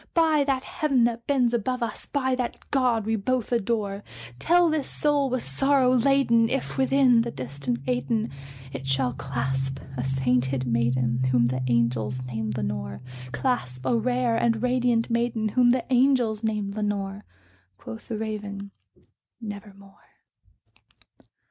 By that Heaven that bends above, us by that God we both adore Tell this soul with sorrow laden if, within the distant Aidenn, It shall clasp a sainted maiden whom the angels name Lenore Clasp a rare and radiant maiden whom the angels name Lenore." Quoth the Raven, "Nevermore."